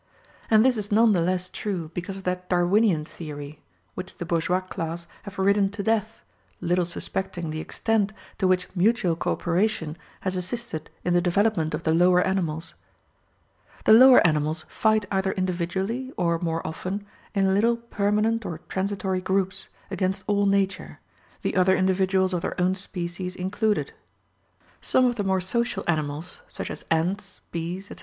And this is none the less true because of that Darwinian theory, which the bourgeois class have ridden to death, little suspecting the extent to which mutual co operation has assisted in the development of the lower animals. The lower animals fight either individually, or, more often, in little permanent or transitory groups, against all nature, the other individuals of their own species included. Some of the more social animals, such as ants, bees, etc.